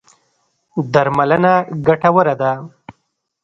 درملنه ګټوره ده.